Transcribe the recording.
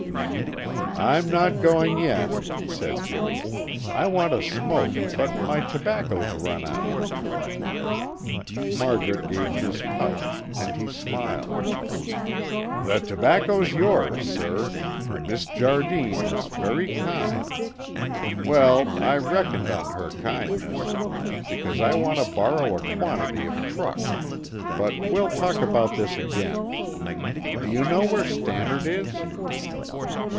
"I'm not going yet," said Jimmy. "I want a smoke, but my tobacco's run out." Margaret gave him his pouch and he smiled, "The tobacco's yours, sir. Miss Jardine is very kind. Well, I reckoned on her kindness, because I want to borrow a quantity of truck, but we'll talk about this again. Do you know where Stannard is?"